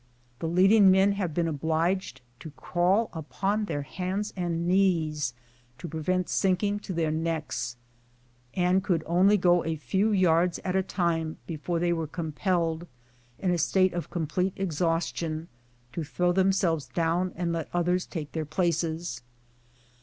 The leading men have been obliged to crawl upon their hands and knees to pre vent sinking to their necks, and could only go a few yards at a time before they were compelled, in a state of complete exhaustion, to throw themselves down and let others take their places.